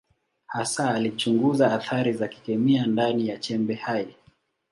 Hasa alichunguza athari za kikemia ndani ya chembe hai.